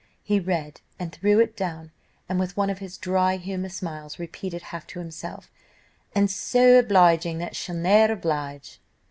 He read, and threw it down, and with one of his dry humour smiles repeated, half to himself, And so obliging that she ne'er obliged.